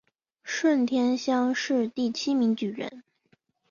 顺天乡试第七名举人。